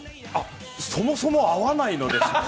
そもそも会わないので。